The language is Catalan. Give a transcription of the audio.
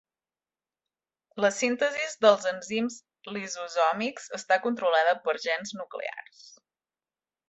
La síntesis dels enzims lisosòmics està controlada por gens nuclears.